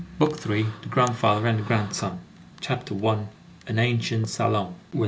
BOOK THIRD—THE GRANDFATHER AND THE GRANDSON CHAPTER I—AN ANCIENT SALON When M.